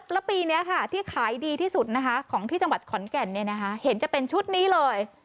ละปีที่ขายดีที่สุดของที่จังหวัดขอนแก่นเห็นจะเป็นชุดนี้เลย